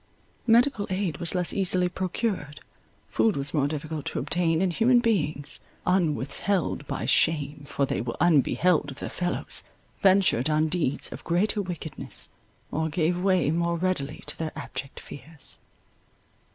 Medical aid was less easily procured, food was more difficult to obtain, and human beings, unwithheld by shame, for they were unbeheld of their fellows, ventured on deeds of greater wickedness, or gave way more readily to their abject fears.